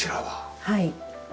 はい。